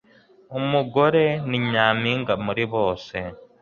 umugore ni nyampiga muri bose